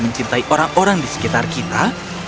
mencintai orang orang di sekitar kita